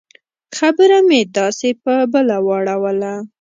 خبره مې داسې په بله واړوله.